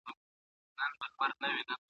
خپل ځان له یخو خوړو وساتئ.